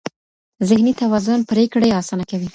ذهني توازن پرېکړې اسانه کوي.